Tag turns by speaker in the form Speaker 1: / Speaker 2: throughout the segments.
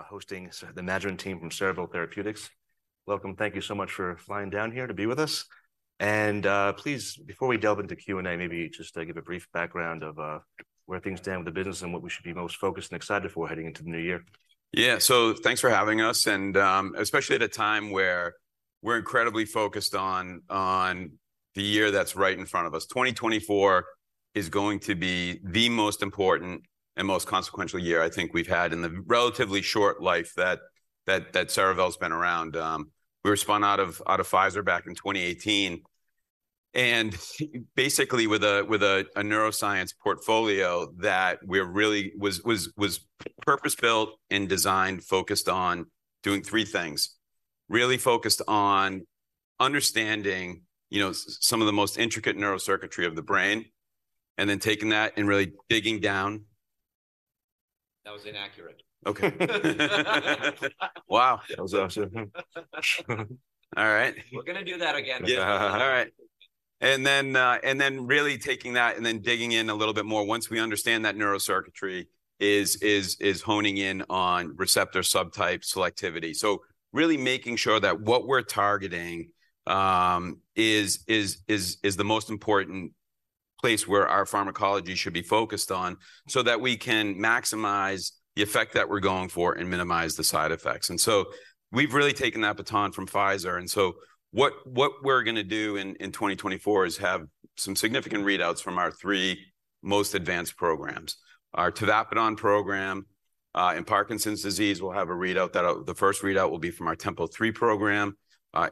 Speaker 1: of hosting the management team from Cerevel Therapeutics. Welcome. Thank you so much for flying down here to be with us. And, please, before we delve into Q&A, maybe just give a brief background of where things stand with the business and what we should be most focused and excited for heading into the new year.
Speaker 2: Yeah. So thanks for having us, and, especially at a time where we're incredibly focused on the year that's right in front of us. 2024 is going to be the most important and most consequential year I think we've had in the relatively short life that Cerevel's been around. We were spun out of Pfizer back in 2018, and basically with a neuroscience portfolio that we're really was purpose-built and designed, focused on doing three things: really focused on understanding, you know, some of the most intricate neurocircuitry of the brain, and then taking that and really digging down.
Speaker 1: That was inaccurate.
Speaker 2: Okay. Wow! That was... All right.
Speaker 1: We're gonna do that again.
Speaker 2: Yeah. All right. And then really taking that, and then digging in a little bit more once we understand that neurocircuitry is honing in on receptor subtype selectivity. So really making sure that what we're targeting is the most important place where our pharmacology should be focused on, so that we can maximize the effect that we're going for and minimize the side effects. And so we've really taken that baton from Pfizer, and so what we're gonna do in 2024 is have some significant readouts from our three most advanced programs. Our tavapadon program in Parkinson's disease, we'll have a readout that. The first readout will be from our TEMPO-3 program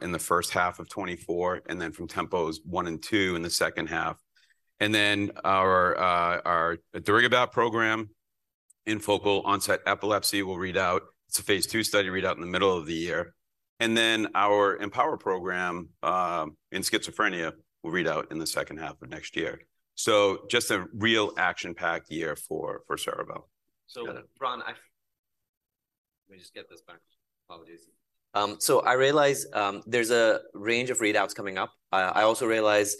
Speaker 2: in the first half of 2024, and then from TEMPO-1 and TEMPO-2 in the second half. And then our darigabat program in focal onset epilepsy will read out. It's a phase II study read out in the middle of the year. And then our EMPOWER program in schizophrenia will read out in the second half of next year. So just a real action-packed year for Cerevel.
Speaker 1: So, Ron, I... Let me just get this back. Apologies. So I realize, there's a range of readouts coming up. I also realize,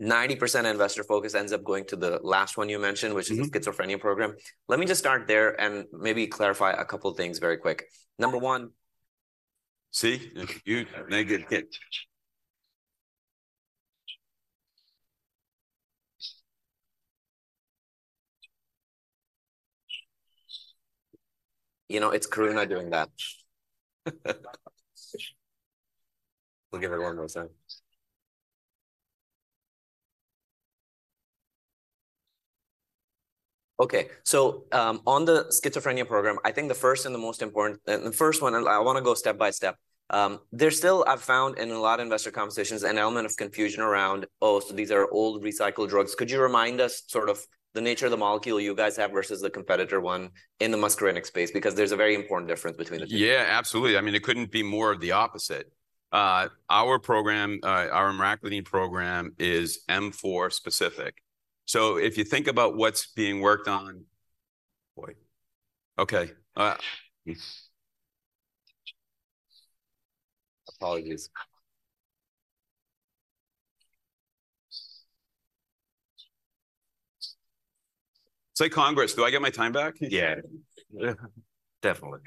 Speaker 1: 90% investor focus ends up going to the last one you mentioned-
Speaker 2: Mm-hmm...
Speaker 1: which is the schizophrenia program. Let me just start there and maybe clarify a couple of things very quick. Number 1-
Speaker 2: See? You negative hit.
Speaker 1: You know, it's Karuna doing that. We'll give it one more time. Okay. So, on the schizophrenia program, I think the first and the most important... The first one, I wanna go step by step. There's still, I've found in a lot of investor conversations, an element of confusion around, "Oh, so these are old recycled drugs." Could you remind us sort of the nature of the molecule you guys have versus the competitor one in the muscarinic space? Because there's a very important difference between the two.
Speaker 2: Yeah, absolutely. I mean, it couldn't be more of the opposite. Our program, our emraclidine program, is M4 specific. So if you think about what's being worked on... Boy! Okay,
Speaker 1: Apologies.
Speaker 2: It's like Congress: "Do I get my time back?
Speaker 1: Yeah. Definitely.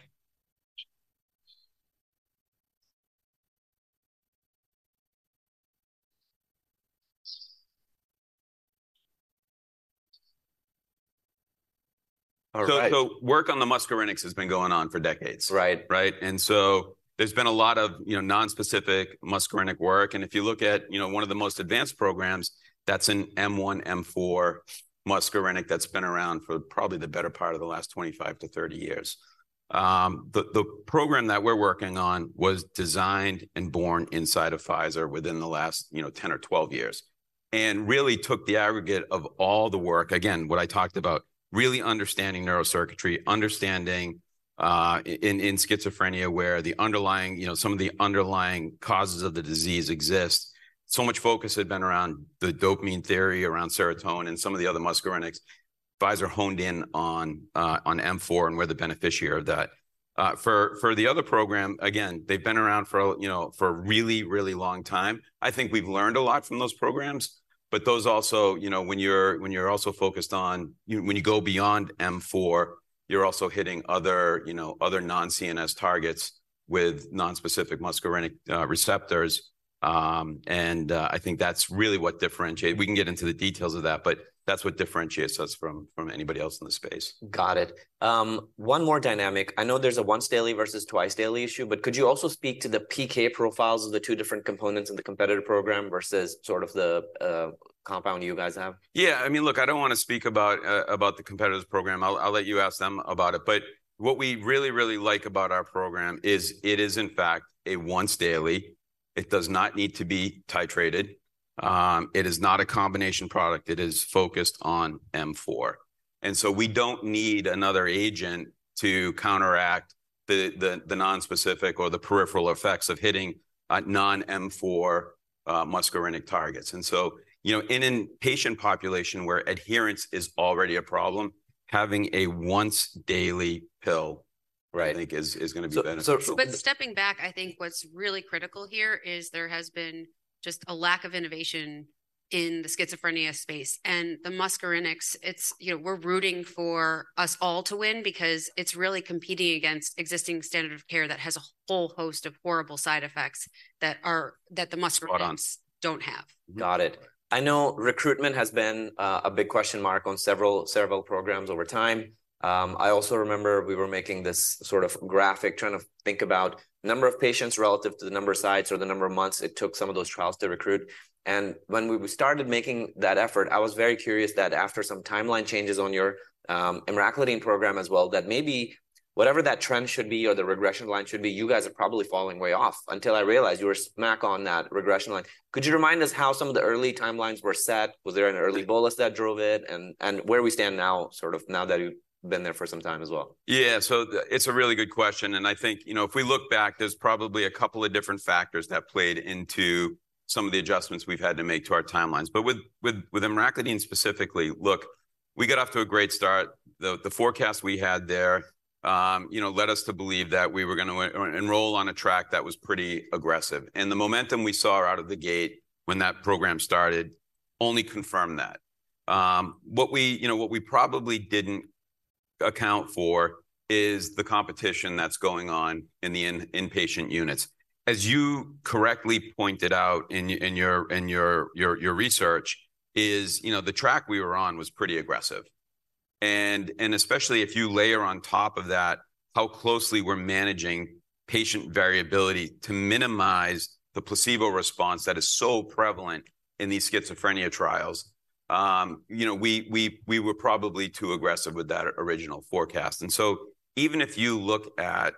Speaker 1: All right.
Speaker 2: So, work on the muscarinics has been going on for decades.
Speaker 1: Right.
Speaker 2: Right? And so there's been a lot of, you know, non-specific muscarinic work, and if you look at, you know, one of the most advanced programs, that's an M1, M4 muscarinic that's been around for probably the better part of the last 25-30 years. The program that we're working on was designed and born inside of Pfizer within the last, you know, 10 or 12 years, and really took the aggregate of all the work. Again, what I talked about, really understanding neurocircuitry, understanding in schizophrenia, where the underlying, you know, some of the underlying causes of the disease exist. So much focus had been around the dopamine theory, around serotonin, and some of the other muscarinics. Pfizer honed in on M4, and we're the beneficiary of that. For the other program, again, they've been around for, you know, for a really, really long time. I think we've learned a lot from those programs, but those also. You know, when you're also focused on, when you go beyond M4, you're also hitting other, you know, other non-CNS targets with non-specific muscarinic receptors. And I think that's really what differentiates us from anybody else in the space.
Speaker 1: Got it. One more dynamic. I know there's a once daily versus twice daily issue, but could you also speak to the PK profiles of the two different components in the competitor program versus sort of the, compound you guys have?
Speaker 2: Yeah. I mean, look, I don't wanna speak about the competitor's program. I'll let you ask them about it. But what we really, really like about our program is it is, in fact, a once-daily. It does not need to be titrated. It is not a combination product. It is focused on M4. And so we don't need another agent to counteract the nonspecific or the peripheral effects of hitting non-M4 muscarinic targets. And so, you know, in a patient population where adherence is already a problem, having a once-daily pill-
Speaker 1: Right...
Speaker 2: I think is gonna be beneficial. So, so-
Speaker 3: But stepping back, I think what's really critical here is there has been just a lack of innovation in the schizophrenia space. And the muscarinic, it's, you know, we're rooting for us all to win because it's really competing against existing standard of care that has a whole host of horrible side effects that the muscarinics
Speaker 1: Spot on.
Speaker 3: -don't have.
Speaker 1: Got it. I know recruitment has been a big question mark on several programs over time. I also remember we were making this sort of graphic, trying to think about number of patients relative to the number of sites or the number of months it took some of those trials to recruit. And when we started making that effort, I was very curious that after some timeline changes on your emraclidine program as well, that maybe whatever that trend should be or the regression line should be, you guys are probably falling way off, until I realized you were smack on that regression line. Could you remind us how some of the early timelines were set? Was there an early bolus that drove it? And where we stand now, sort of now that you've been there for some time as well?
Speaker 2: Yeah, so it's a really good question, and I think, you know, if we look back, there's probably a couple of different factors that played into some of the adjustments we've had to make to our timelines. But with emraclidine specifically, look, we got off to a great start. The forecast we had there, you know, led us to believe that we were going to enroll on a track that was pretty aggressive, and the momentum we saw out of the gate when that program started only confirmed that. What we, you know, what we probably didn't account for is the competition that's going on in the inpatient units. As you correctly pointed out in your research, you know, the track we were on was pretty aggressive. Especially if you layer on top of that how closely we're managing patient variability to minimize the placebo response that is so prevalent in these schizophrenia trials, you know, we were probably too aggressive with that original forecast. And so even if you look at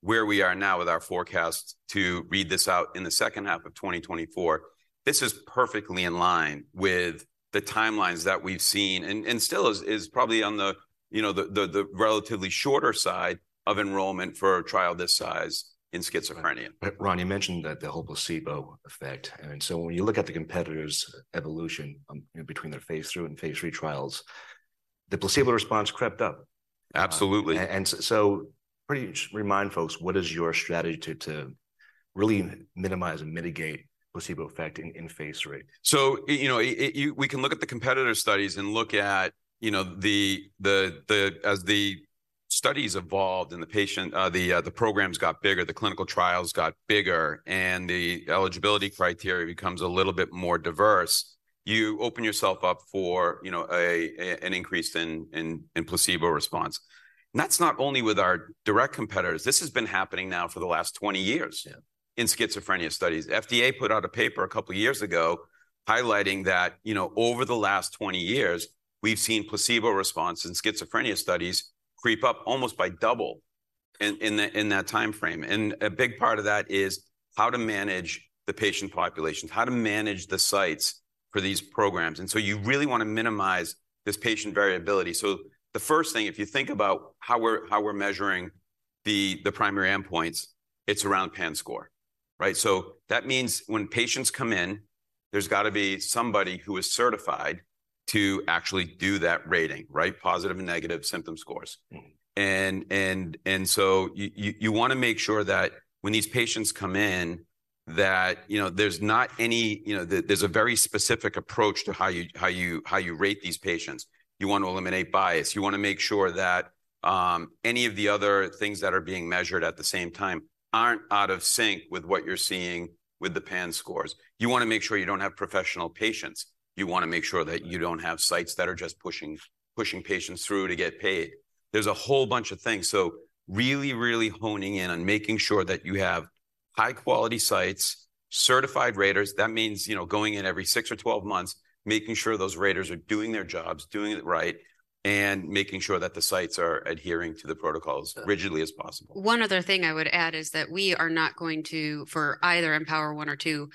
Speaker 2: where we are now with our forecast to read this out in the second half of 2024, this is perfectly in line with the timelines that we've seen, and still is probably on the, you know, the relatively shorter side of enrollment for a trial this size in schizophrenia.
Speaker 3: Ron, you mentioned that the whole placebo effect, and so when you look at the competitors' evolution, between their Phase II and Phase III trials, the placebo response crept up.
Speaker 2: Absolutely.
Speaker 3: So, remind folks, what is your strategy to really minimize and mitigate placebo effect in Phase III?
Speaker 2: So, you know, it, we can look at the competitor studies and look at, you know, the. As the studies evolved and the programs got bigger, the clinical trials got bigger, and the eligibility criteria becomes a little bit more diverse, you open yourself up for, you know, a, an increase in placebo response. And that's not only with our direct competitors. This has been happening now for the last 20 years-
Speaker 3: Yeah...
Speaker 2: in schizophrenia studies. FDA put out a paper a couple of years ago highlighting that, you know, over the last 20 years, we've seen placebo response in schizophrenia studies creep up almost by double in, in that, in that time frame. And a big part of that is how to manage the patient populations, how to manage the sites for these programs, and so you really want to minimize this patient variability. So the first thing, if you think about how we're, how we're measuring the, the primary endpoints, it's around PANSS score, right? So that means when patients come in, there's got to be somebody who is certified to actually do that rating, right? Positive and negative symptom scores.
Speaker 3: Mm-hmm.
Speaker 2: So you want to make sure that when these patients come in, that you know, there's not any... You know, there's a very specific approach to how you rate these patients. You want to eliminate bias. You want to make sure that any of the other things that are being measured at the same time aren't out of sync with what you're seeing with the PANSS scores. You want to make sure you don't have professional patients. You want to make sure that you don't have sites that are just pushing patients through to get paid. There's a whole bunch of things, so really honing in on making sure that you have high-quality sites, certified raters. That means, you know, going in every 6 or 12 months, making sure those raters are doing their jobs, doing it right, and making sure that the sites are adhering to the protocols rigidly as possible.
Speaker 3: One other thing I would add is that we are not going to, for either EMPOWER 1 or 2,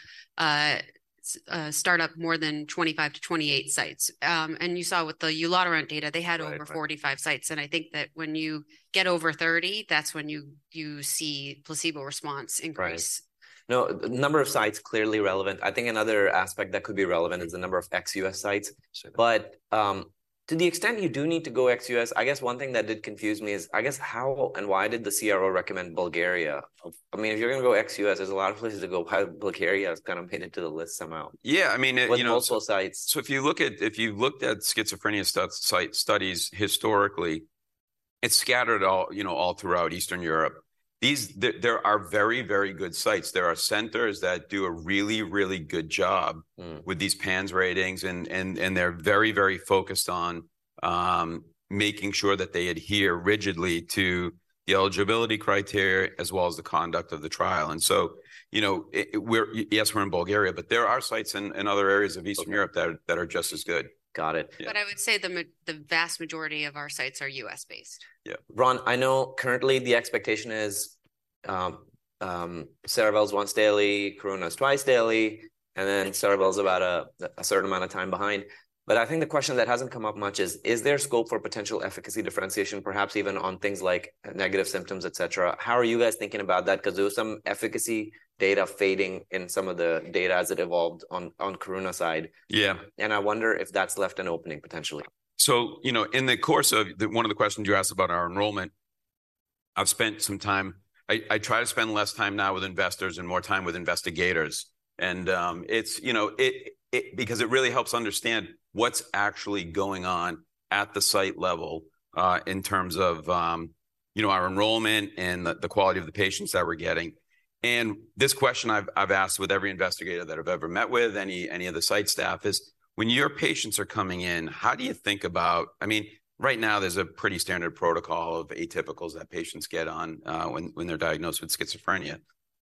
Speaker 3: start up more than 25-28 sites. And you saw with the ulotaront data, they had over-
Speaker 2: Right...
Speaker 3: 45 sites, and I think that when you get over 30, that's when you see placebo response increase.
Speaker 1: Right. No, number of sites, clearly relevant. I think another aspect that could be relevant is the number of ex-U.S. sites.
Speaker 2: Sure.
Speaker 1: But, to the extent you do need to go ex-U.S., I guess one thing that did confuse me is, I guess, how and why did the CRO recommend Bulgaria? I mean, if you're going to go ex-U.S., there's a lot of places to go. How Bulgaria is kind of pinned into the list somehow?
Speaker 2: Yeah, I mean, you know-
Speaker 1: With multiple sites.
Speaker 2: So if you looked at schizophrenia study site studies historically, it's scattered all, you know, all throughout Eastern Europe. There are very, very good sites. There are centers that do a really, really good job-
Speaker 1: Mm...
Speaker 2: with these PANSS ratings, and they're very, very focused on making sure that they adhere rigidly to the eligibility criteria as well as the conduct of the trial. And so, you know, yes, we're in Bulgaria, but there are sites in other areas of Eastern Europe-
Speaker 1: Okay...
Speaker 2: that are just as good.
Speaker 1: Got it.
Speaker 2: Yeah.
Speaker 4: But I would say the vast majority of our sites are U.S.-based.
Speaker 2: Yeah.
Speaker 1: Ron, I know currently the expectation is, Cerevel's once daily, Karuna's twice daily, and then Cerevel's about a certain amount of time behind. But I think the question that hasn't come up much is: Is there scope for potential efficacy differentiation, perhaps even on things like negative symptoms, et cetera? How are you guys thinking about that? Because there was some efficacy data fading in some of the data as it evolved on, on Karuna's side.
Speaker 2: Yeah.
Speaker 1: I wonder if that's left an opening, potentially.
Speaker 2: So, you know, one of the questions you asked about our enrollment. I've spent some time. I try to spend less time now with investors and more time with investigators, and, it's, you know, it because it really helps understand what's actually going on at the site level, in terms of, you know, our enrollment and the quality of the patients that we're getting. And this question I've asked with every investigator that I've ever met with, any of the site staff, is: when your patients are coming in, how do you think about. I mean, right now, there's a pretty standard protocol of atypicals that patients get on, when they're diagnosed with schizophrenia.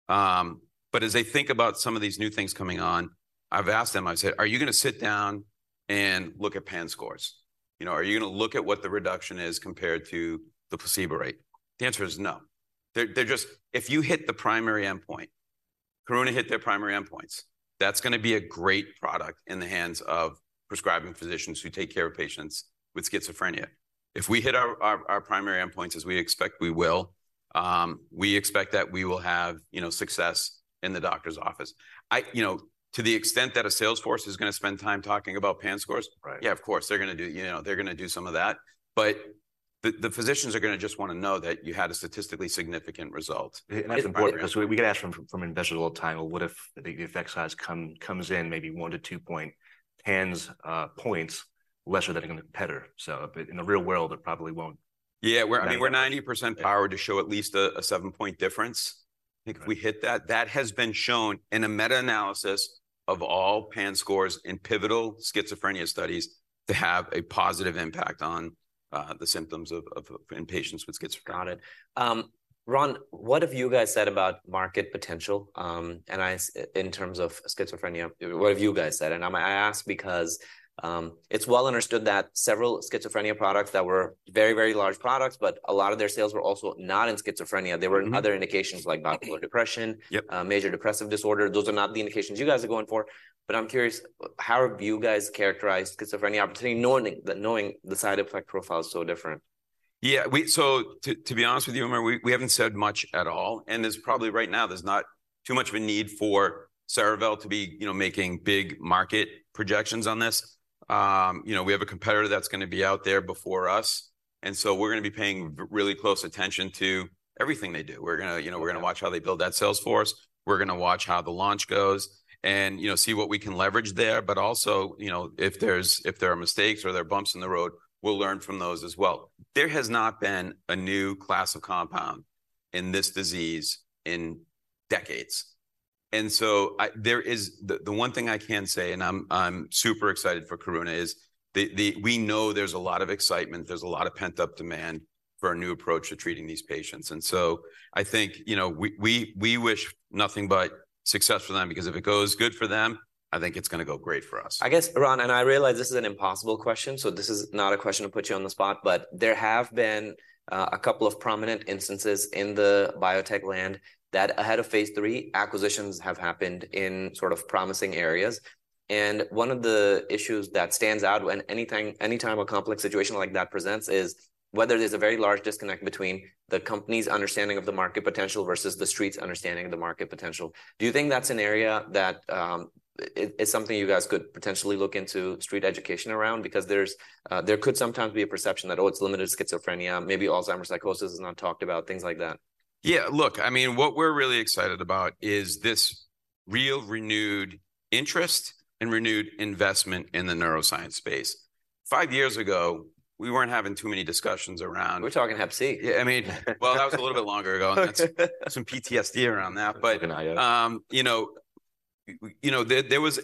Speaker 2: But as they think about some of these new things coming on, I've asked them, I've said, "Are you going to sit down and look at PANSS scores? You know, are you going to look at what the reduction is compared to the placebo rate?" The answer is no. They're just... If you hit the primary endpoint, Karuna hit their primary endpoints, that's going to be a great product in the hands of prescribing physicians who take care of patients with schizophrenia. If we hit our primary endpoints as we expect we will, we expect that we will have, you know, success in the doctor's office. You know, to the extent that a sales force is going to spend time talking about PANSS scores-
Speaker 1: Right.
Speaker 2: Yeah, of course, they're going to do, you know, they're going to do some of that, but the physicians are going to just want to know that you had a statistically significant result.
Speaker 1: That's important because we get asked from an investor all the time, "Well, what if the effect size comes in maybe 1-2 point PANSS points lesser than a competitor?" So but in the real world, it probably won't.
Speaker 2: Yeah.
Speaker 1: I mean-
Speaker 2: We're 90% powered to show at least a 7-point difference.
Speaker 1: Okay.
Speaker 2: If we hit that, that has been shown in a meta-analysis of all PANSS scores in pivotal schizophrenia studies to have a positive impact on the symptoms of in patients with schizophrenia.
Speaker 1: Got it. Ron, what have you guys said about market potential, and size in terms of schizophrenia, what have you guys said? And I ask because, it's well understood that several schizophrenia products that were very, very large products, but a lot of their sales were also not in schizophrenia.
Speaker 2: Mm-hmm.
Speaker 1: They were in other indications, like bipolar depression-
Speaker 2: Yep....
Speaker 1: major depressive disorder. Those are not the indications you guys are going for, but I'm curious, how have you guys characterized schizophrenia opportunity, knowing that, knowing the side effect profile is so different?
Speaker 2: Yeah, so to be honest with you, Umar, we haven't said much at all, and there's probably, right now, there's not too much of a need for Cerevel to be, you know, making big market projections on this. You know, we have a competitor that's going to be out there before us, and so we're going to be paying really close attention to everything they do. We're going to, you know, we're going to watch how they build that sales force, we're going to watch how the launch goes, and, you know, see what we can leverage there. But also, you know, if there are mistakes or there are bumps in the road, we'll learn from those as well. There has not been a new class of compound in this disease in decades, and so there is... The one thing I can say, and I'm super excited for Karuna, is we know there's a lot of excitement, there's a lot of pent-up demand for a new approach to treating these patients. And so I think, you know, we wish nothing but success for them because if it goes good for them, I think it's going to go great for us.
Speaker 1: I guess, Ron, and I realize this is an impossible question, so this is not a question to put you on the spot, but there have been a couple of prominent instances in the biotech land that ahead of phase III, acquisitions have happened in sort of promising areas. One of the issues that stands out when anytime a complex situation like that presents is whether there's a very large disconnect between the company's understanding of the market potential versus the street's understanding of the market potential. Do you think that's an area that it, it's something you guys could potentially look into street education around? Because there could sometimes be a perception that, oh, it's limited schizophrenia, maybe Alzheimer's psychosis is not talked about, things like that.
Speaker 2: Yeah, look, I mean, what we're really excited about is this real renewed interest and renewed investment in the neuroscience space. Five years ago, we weren't having too many discussions around-
Speaker 1: We're talking Hep C.
Speaker 2: Yeah, I mean... Well, that was a little bit longer ago—and some PTSD around that.
Speaker 1: Looking at it.
Speaker 2: But, you know, there was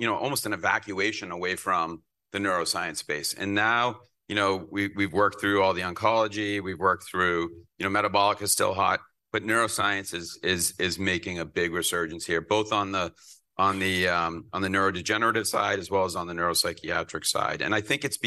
Speaker 2: almost an evacuation away from the neuroscience space. And now, you know, we, we've worked through all the oncology, we've worked through, you know, metabolic is still hot, but neuroscience is making a big resurgence here, both on the neurodegenerative side, as well as on the neuropsychiatric side. And I think it's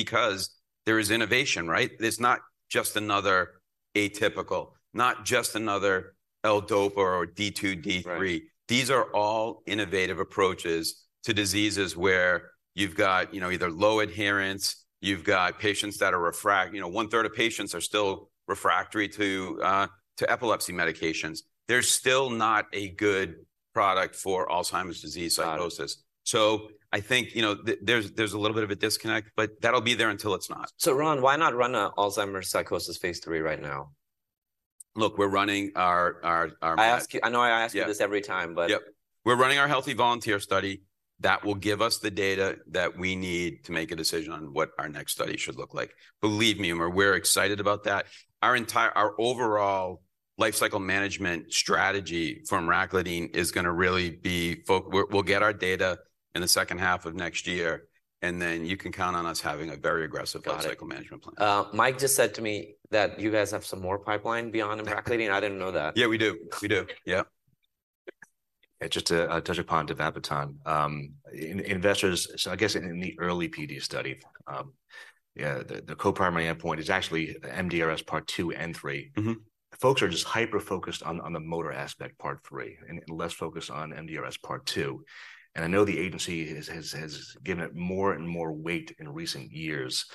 Speaker 2: because there is innovation, right? It's not just another atypical, not just another L-DOPA or D2, D3.
Speaker 1: Right.
Speaker 2: These are all innovative approaches to diseases where you've got, you know, either low adherence, you've got patients that are refractory. You know, one-third of patients are still refractory to epilepsy medications. There's still not a good product for Alzheimer's disease psychosis.
Speaker 1: Got it.
Speaker 2: So I think, you know, there's a little bit of a disconnect, but that'll be there until it's not.
Speaker 1: Ron, why not run an Alzheimer's psychosis phase 3 right now?
Speaker 2: Look, we're running our-
Speaker 1: I ask you—I know I ask you this—
Speaker 2: Yeah
Speaker 1: every time, but
Speaker 2: Yep. We're running our healthy volunteer study that will give us the data that we need to make a decision on what our next study should look like. Believe me, Umar, we're excited about that. Our overall lifecycle management strategy from emraclidine is going to really be. We'll get our data in the second half of next year, and then you can count on us having a very aggressive-
Speaker 1: Got it
Speaker 2: -lifecycle management plan.
Speaker 1: Mike just said to me that you guys have some more pipeline beyond emraclidine. I didn't know that.
Speaker 2: Yeah, we do. We do, yeah.
Speaker 1: Just to touch upon tavapadon, investors, I guess in the early PD study, the co-primary endpoint is actually MDS-UPDRS part 2 and 3.
Speaker 2: Mm-hmm.
Speaker 1: Folks are just hyper-focused on the motor aspect, part three, and less focused on MDS-UPDRS part two, and I know the agency has given it more and more weight in recent years.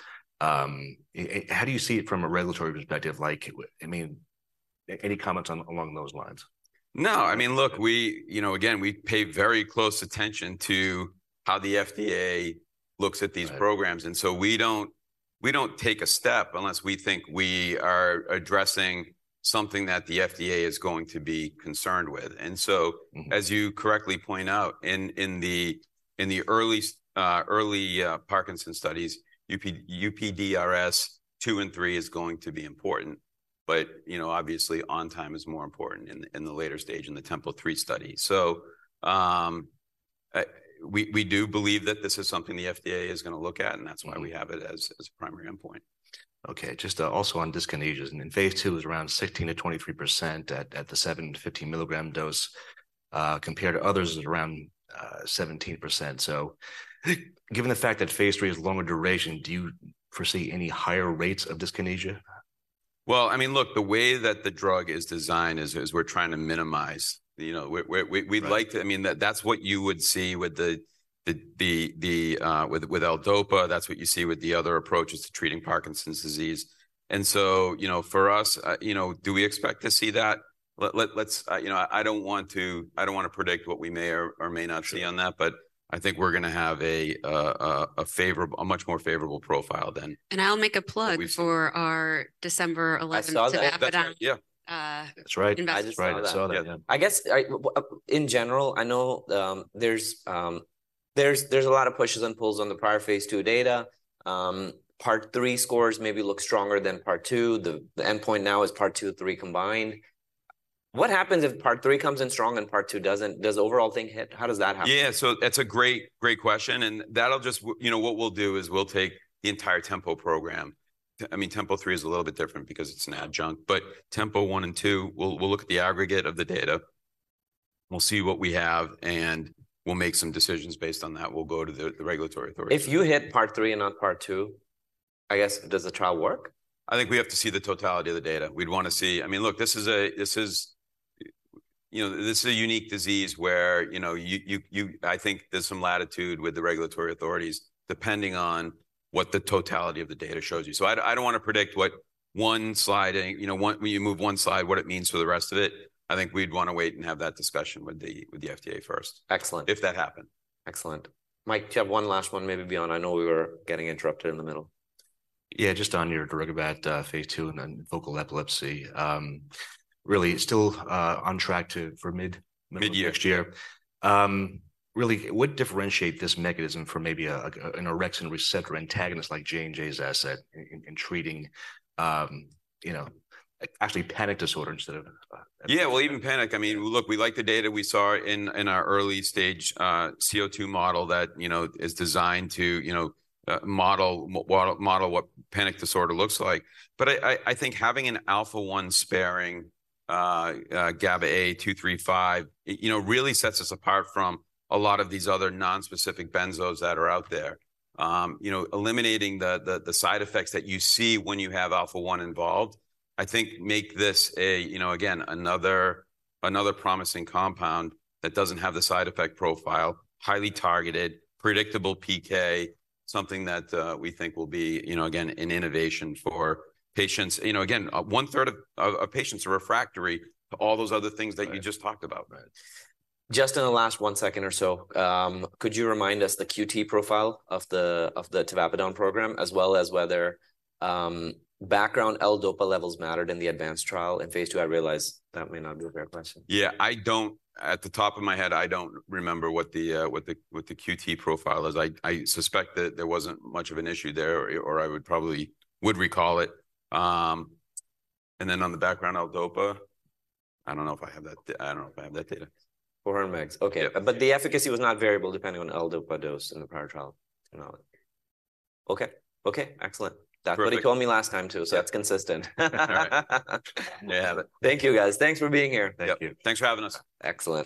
Speaker 1: How do you see it from a regulatory perspective, like, I mean... Any comments on along those lines?
Speaker 2: No, I mean, look, we, you know, again, we pay very close attention to how the FDA looks at these programs.
Speaker 1: Right.
Speaker 2: And so we don't take a step unless we think we are addressing something that the FDA is going to be concerned with. And so-
Speaker 1: Mm-hmm.
Speaker 2: As you correctly point out, in the early Parkinson's studies, UPDRS two and three is going to be important. But, you know, obviously, on time is more important in the later stage, in the TEMPO three study. So, we do believe that this is something the FDA is gonna look at, and that's why we have it as a primary endpoint.
Speaker 1: Okay, just also on dyskinesias, and in phase 2 is around 16%-23% at the 7-15 milligram dose, compared to others at around 17%. So given the fact that phase 3 is longer duration, do you foresee any higher rates of dyskinesia?
Speaker 2: Well, I mean, look, the way that the drug is designed is we're trying to minimize. You know, we'd like to-
Speaker 1: Right.
Speaker 2: I mean, that's what you would see with the with L-DOPA. That's what you see with the other approaches to treating Parkinson's disease. And so, you know, for us, you know, do we expect to see that? Let's... You know, I don't want to, I don't want to predict what we may or may not see on that-
Speaker 1: Sure...
Speaker 2: but I think we're gonna have a much more favorable profile than-
Speaker 3: I'll make a plug for our December eleventh-
Speaker 1: I saw that.
Speaker 3: Tavapadon.
Speaker 2: Yeah.
Speaker 3: Uh-
Speaker 2: That's right.
Speaker 1: I just saw that.
Speaker 2: I saw that, yeah.
Speaker 1: I guess, in general, I know, there's a lot of pushes and pulls on the prior Phase 2 data. Part 3 scores maybe look stronger than Part 2. The endpoint now is Part 2,3 combined. What happens if Part 3 comes in strong and Part 2 doesn't? Does the overall thing hit? How does that happen?
Speaker 2: Yeah, so that's a great, great question, and that'll just, you know, what we'll do is we'll take the entire TEMPO program. I mean, TEMPO three is a little bit different because it's an adjunct. But TEMPO one and two, we'll look at the aggregate of the data. We'll see what we have, and we'll make some decisions based on that. We'll go to the regulatory authority.
Speaker 1: If you hit Part three and not Part two, I guess, does the trial work?
Speaker 2: I think we have to see the totality of the data. We'd want to see... I mean, look, this is a unique disease where, you know, I think there's some latitude with the regulatory authorities, depending on what the totality of the data shows you. So I don't want to predict what one slide, and, you know, one when you move one slide, what it means for the rest of it. I think we'd want to wait and have that discussion with the FDA first-
Speaker 1: Excellent...
Speaker 2: if that happened.
Speaker 1: Excellent. Mike, do you have one last one, maybe beyond? I know we were getting interrupted in the middle.
Speaker 5: Yeah, just on your darigabat, phase 2 and then focal epilepsy. Really, still, on track to for mid-
Speaker 2: Mid next year.
Speaker 5: Really, what differentiate this mechanism from maybe an orexin receptor antagonist like J&J's asset in treating, you know, actually panic disorder instead of
Speaker 2: Yeah, well, even panic. I mean, look, we like the data we saw in our early stage CO2 model that, you know, is designed to, you know, model what panic disorder looks like. But I think having an alpha one sparing GABAA two, three, five, you know, really sets us apart from a lot of these other nonspecific benzos that are out there. You know, eliminating the side effects that you see when you have alpha one involved, I think make this a, you know, again, another promising compound that doesn't have the side effect profile, highly targeted, predictable PK, something that we think will be, you know, again, an innovation for patients. You know, again, one-third of patients are refractory to all those other things that you just talked about.
Speaker 5: Right.
Speaker 1: Just in the last one second or so, could you remind us the QT profile of the tavapadon program, as well as whether background L-DOPA levels mattered in the advanced trial in phase 2? I realize that may not be a fair question.
Speaker 2: Yeah, I don't... At the top of my head, I don't remember what the QT profile is. I suspect that there wasn't much of an issue there, or I would probably recall it. And then on the background, L-DOPA, I don't know if I have that data.
Speaker 1: 400 mgs.
Speaker 2: Yeah.
Speaker 1: Okay, but the efficacy was not variable depending on L-DOPA dose in the prior trial? No. Okay. Okay, excellent.
Speaker 2: Perfect.
Speaker 1: That's what he told me last time, too.
Speaker 2: Yeah...
Speaker 1: so that's consistent.
Speaker 2: Right.
Speaker 1: Yeah. Thank you, guys. Thanks for being here.
Speaker 2: Thank you.
Speaker 5: Thanks for having us.
Speaker 1: Excellent.